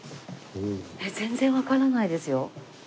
全然わからないですよ。